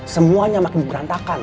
semuanya makin berantakan